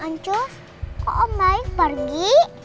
ancus kok om baik pergi